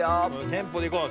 テンポでいこう。